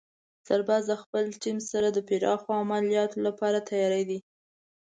سرباز د خپلې ټیم سره د پراخو عملیاتو لپاره تیار دی.